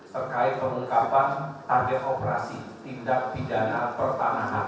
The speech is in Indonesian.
terkait penungkapan target operasi tindak pidana pertanahan